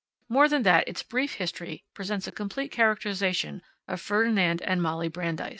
More than that, its brief history presents a complete characterization of Ferdinand and Molly Brandeis.